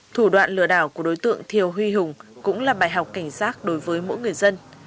thủ đoạn lừa đảo của đối tượng thiều huy hùng cũng là bài học cảnh giác đối với mỗi người dân